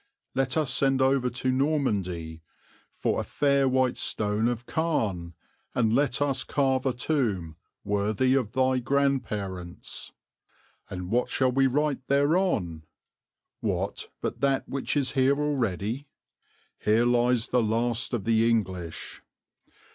"Let us send over to Normandy for a fair white stone of Caen, and let us carve a tomb worthy of thy grand parents." "And what shall we write thereon?" "What but that which is there already? 'Here lies the last of the English.'"